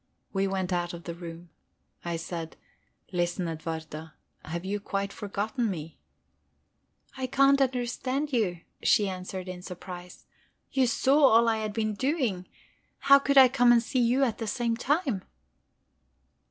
We went out of the room. I said: "Listen, Edwarda have you quite forgotten me?" "I can't understand you," she answered in surprise. "You saw all I had been doing how could I come and see you at the same time?"